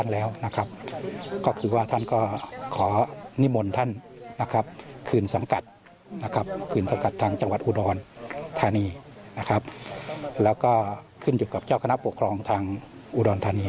แล้วก็ขึ้นอยู่กับเจ้าคณะปกครองทางอุดรธานี